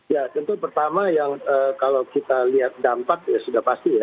ya tentu pertama yang kalau kita lihat dampak ya sudah pasti ya